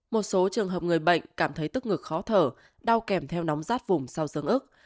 một số trường hợp người bệnh cảm thấy tức ngực khó thở đau kèm theo nóng rát vùng sau sương ức